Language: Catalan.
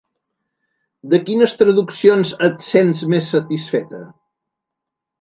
De quines traduccions et sents més satisfeta?